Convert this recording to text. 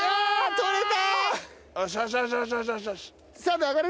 取れた。